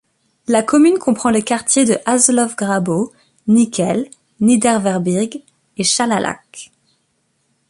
La commune comprend les quartiers de Haseloff-Grabow, Nichel, Niederwerbig et Schlalach.